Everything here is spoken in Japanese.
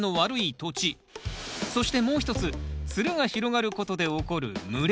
そしてもう一つつるが広がることで起こる蒸れ。